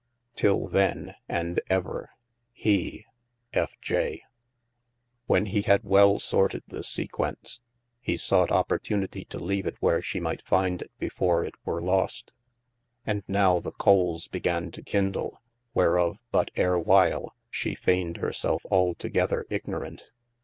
Till then and ever. HE. F. J. 38.9 THE ADVENTURES T T J Hen he had well sorted this sequence, he sought opor VV.1 rlltunitie to leave it where shee might finde it before it "were lostT"^ And nowe the coles began to kindle, whereof (but ere while) shee feigned hir selfe altogither ignorant.